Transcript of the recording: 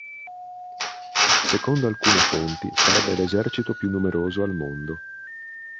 Secondo alcune fonti, sarebbe l'esercito più numeroso al mondo.